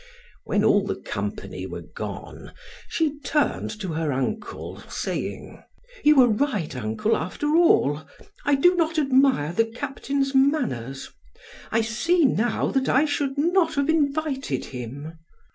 When all the company were gone, she turned to her uncle, saying: "You were right, uncle, after all. I do not admire the captain's manners; I see now that I should not have invited him."